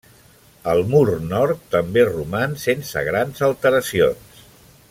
El mur nord també roman sense grans alteracions.